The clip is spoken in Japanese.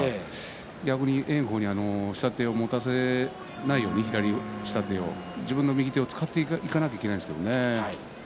逆に炎鵬に下手を持たせないように自分の右手を使っていかなければならないですね。